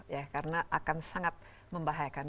ya karena akan sangat membahayakan